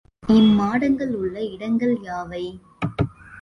இம்மாடங்கள் உள்ள இடங்கள் யாவை?